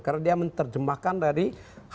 karena dia menerjemahkan dari harapannya